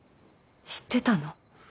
知ってたの？